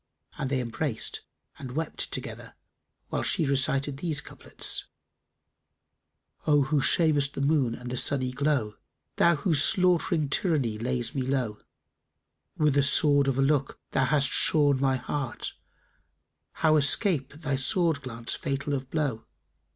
And they embraced and wept together, whilst she recited these couplets, "O who shamest the Moon and the sunny glow: * Thou whose slaught'ring tyranny lays me low; With the sword of a look thou hast shorn my heart, * How escape thy sword glance fatal of blow?